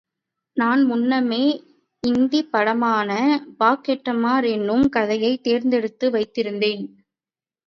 நான் முன்னமே இந்திப் படமான பாக்கெட்மார் என்னும் கதையைத் தேர்ந்தெடுத்து வைத்திருந்தேன்.